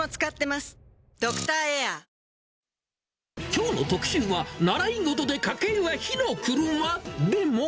きょうの特集は、習い事で家計は火の車？でも。